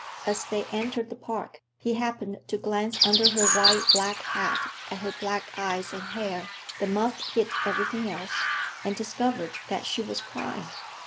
As they entered the Park he happened to glance under her wide black hat at her black eyes and hair—the muff hid everything else—and discovered that she was crying.